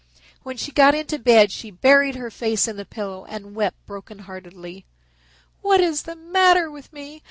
When she got into bed she buried her face in the pillow and wept brokenheartedly. "What is the matter with me?